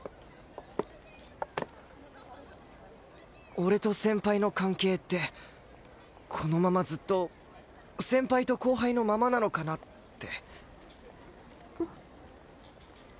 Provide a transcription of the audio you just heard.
俺と先輩の関係ってこのままずっと先輩と後輩のままなのかなって。